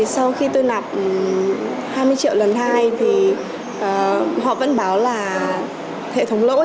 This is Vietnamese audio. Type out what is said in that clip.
sau khi tôi nạp hai mươi triệu lần hai thì họ vẫn báo là hệ thống lỗi